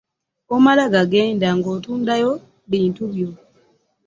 Omala gagenda ng'otundayo bintu byo?